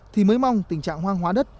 thì mới mong tình trạng hoang hóa đất